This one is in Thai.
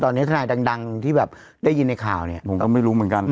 ตอนนี้ทนายดังที่แบบได้ยินในข่าวเนี่ยผมก็ไม่รู้เหมือนกัน